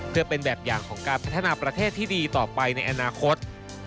เพื่อเป็นแบบอย่างของการพัฒนาประเทศที่ดีต่อไปในอนาคต